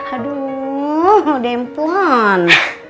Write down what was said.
aduh udah empun